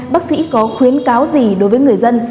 bác sĩ có khuyến cáo gì đối với người dân